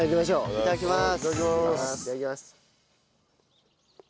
いただきます。